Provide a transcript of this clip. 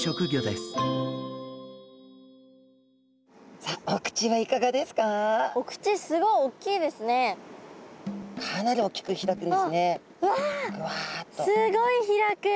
すごい開く。